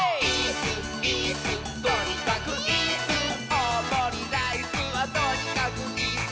「おおもりライスはとにかくイス！」